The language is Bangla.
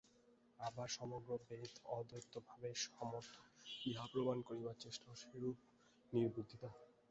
আবার সমগ্র বেদ অদৈতভাবের সমর্থক, ইহা প্রমাণ করিবার চেষ্টাও সেইরূপ নির্বুদ্ধিতা।